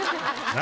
何？